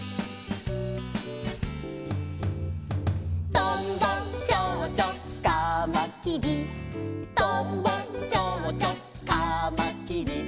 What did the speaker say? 「とんぼちょうちょうかまきり」「とんぼちょうちょうかまきり」